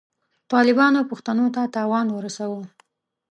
طالبانو پښتنو ته تاوان ورساوه.